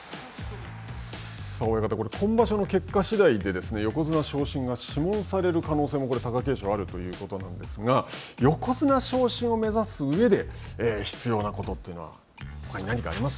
親方、今場所の結果しだいで横綱昇進が諮問される可能性が貴景勝はあるということなんですが、横綱昇進を目指すうえで必要なことというのは、ほかに何かあります